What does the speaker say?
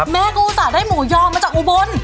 แม่ก็อุตส่าห์ได้หมูยอมมาจากอุบล